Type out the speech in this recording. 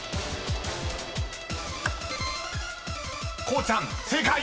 ［こうちゃん正解！］